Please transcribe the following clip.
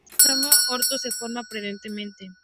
El isómero "orto" se forma preferentemente.